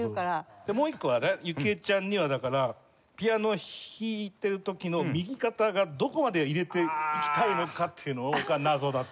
もう一個はね由紀江ちゃんにはだからピアノ弾いてる時の右肩がどこまで入れていきたいのかっていうのが謎だった。